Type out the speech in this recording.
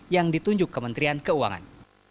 yang ditunjuk kementerian keuangan